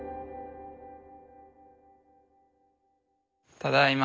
ただいま。